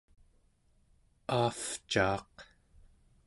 aavcaaq